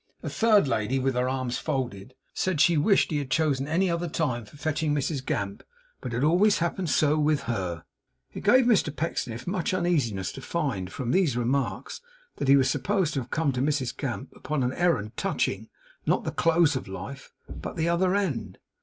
A third lady (with her arms folded) said she wished he had chosen any other time for fetching Mrs Gamp, but it always happened so with HER. It gave Mr Pecksniff much uneasiness to find, from these remarks, that he was supposed to have come to Mrs Gamp upon an errand touching not the close of life, but the other end.